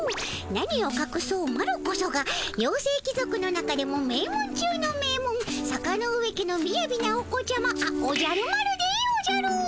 何をかくそうマロこそが妖精貴族の中でも名門中の名門坂ノ上家のみやびなお子ちゃまあおじゃる丸でおじゃる。